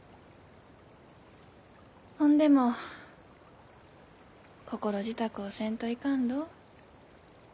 ほんでも心支度をせんといかんろう。